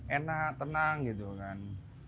enak tenang gitu kan